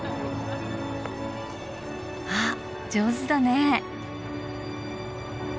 あ上手だね！